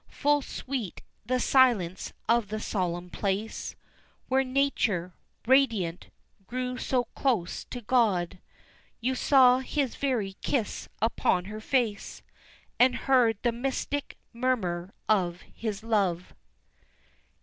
Full sweet the silence of the solemn place Where nature, radiant, drew so close to God, You saw His very kiss upon her face, And heard the mystic murmur of His love.